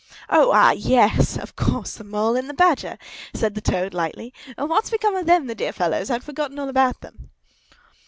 "Oh, ah, yes, of course, the Mole and the Badger," said Toad, lightly. "What's become of them, the dear fellows? I had forgotten all about them."